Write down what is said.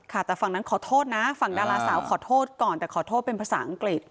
ค่ะแต่ฝั่งนั้นขอโทษนะฝั่งดาราสาวขอโทษก่อนแต่ขอโทษเป็นภาษาอังกฤษ